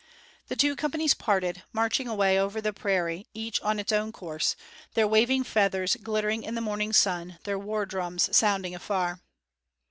The two companies parted, marching away over the prairie, each on its own course, their waving feathers glittering in the morning sun, their war drums sounding afar.